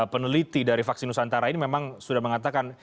peneliti dari vaksin nusantara ini memang sudah mengatakan